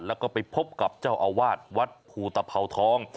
แล้วก็ไปพบกับเจ้าอาวาสวัดภูตภาวทอง